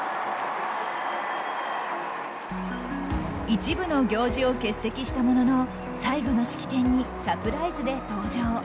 一部の行事を欠席したものの最後の式典にサプライズで登場。